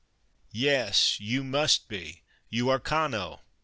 Yes, you must be, you are Cano."